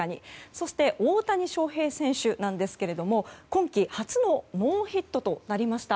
そして、大谷翔平選手なんですが今季初のノーヒットとなりました。